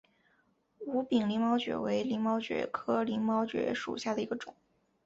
无柄鳞毛蕨为鳞毛蕨科鳞毛蕨属下的一个种。